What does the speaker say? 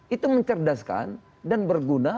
itu mencerdaskan dan berguna